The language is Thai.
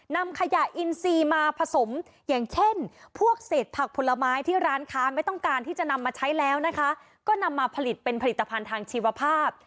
นำขยะอินซีมาผสมอย่างเช่นพวกเศษผักผลไม้ที่ร้านค้าไม่ต้องการที่จะนำมาใช้แล้วนะคะก็นำมาผลิตเป็นผลิตภัณฑ์ทางชีวภาพ